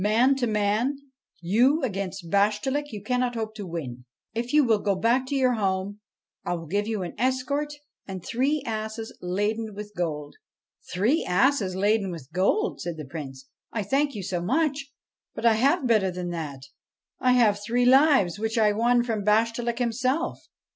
Man to man you against Bashtchelik you cannot hope to win. If you will go back to your home, I will give you an escort and three asses laden with gold.' ' Three asses laden with gold I ' said the Prince. ' I thank you much, but I have better than that : I have three lives, which I won from Bashtchelik himself.